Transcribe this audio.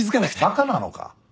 バカなのか？